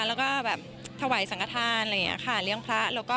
แล้วก็แบบถวายสังกฐานอะไรอย่างนี้ค่ะเลี้ยงพระ